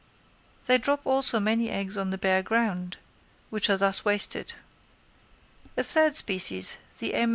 They drop also many eggs on the bare ground, which are thus wasted. A third species, the M.